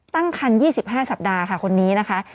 ตั้งคัน๒๕สัปดาห์ค่ะคนนี้นะคะ